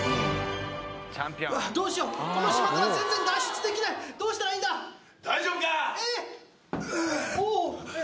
うわっどうしようこの島から全然脱出できないどうしたらいいんだ大丈夫かえっおおっ